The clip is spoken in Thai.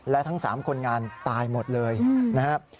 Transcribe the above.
และทั้ง๓คนงานตายหมดเลยนะครับ